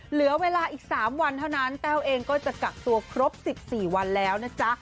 เหลือเวลาอีก๓วันเท่านั้นแต้วเองก็จะกักตัวครบ๑๔วันแล้วนะจ๊ะ